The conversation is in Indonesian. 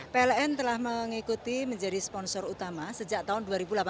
pln telah mengikuti menjadi sponsor utama sejak tahun dua ribu delapan belas